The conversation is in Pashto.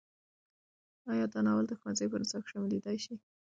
ایا دا ناول د ښوونځیو په نصاب کې شاملېدی شي؟